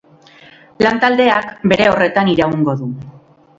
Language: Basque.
Lan-taldeak bere horretan iraungo du.